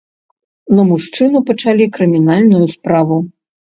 На мужчыну пачалі крымінальную справу.